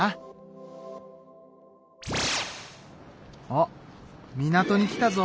あっ港に来たぞ。